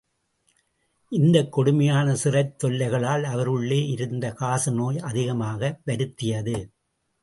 இந்தக் கொடுமையான சிறைத் தொல்லைகளால் அவருள்ளே இருந்த காசநோய் அதிகமாக வருத்தியது.